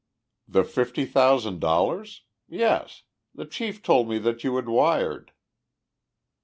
"The fifty thousand dollars? Yes. The chief told me that you had wired."